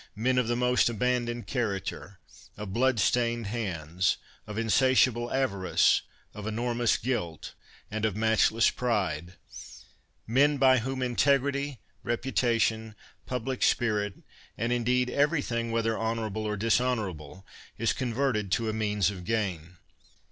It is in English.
Men of the most abandoned character, of blood stained hands, of insatiable avarice, of enormous guilt, and of matchless pride; men by whom integrity, repu tation, public spirit, and indeed everything, whether honorable or dishonorable, is converted to a means of gain.